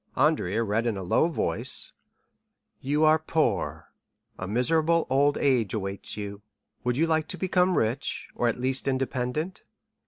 Andrea read in a low voice: "'You are poor; a miserable old age awaits you. Would you like to become rich, or at least independent?